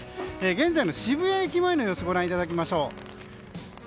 現在の渋谷駅前の様子をご覧いただきましょう。